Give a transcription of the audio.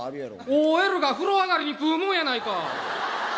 ＯＬが風呂上がりに食うもんやないか！